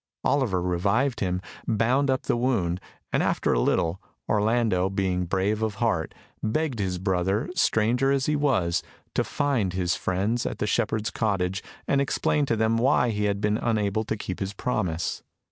Oliver revived him, bound up the wound, and after a little, Orlando, being brave of heart, begged his brother, stranger as he was, to find his friends at the shepherd's cottage, and explain to them why he had been unable to keep his promise.